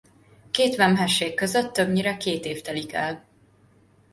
Két vemhesség között többnyire két év telik el.